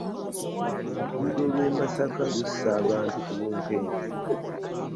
Oluguudo lw'e Masaka lussa abantu ku bunkenke.